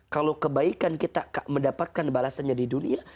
kalau kebaikan kita mendapatkan balasannya di dunia